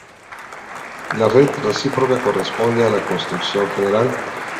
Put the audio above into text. La red recíproca corresponde a la construcción general.